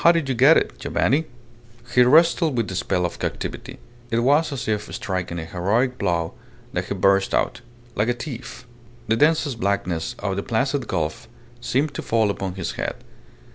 How did you get it, Giovanni?" He wrestled with the spell of captivity. It was as if striking a heroic blow that he burst out "Like a thief!" The densest blackness of the Placid Gulf seemed to fall upon his head.